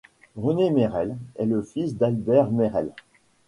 René Mérelle est le fils d'Albert Mérelle.